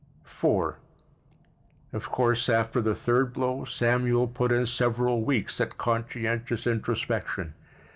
IV Of course, after the third blow Samuel put in several weeks at conscientious introspection.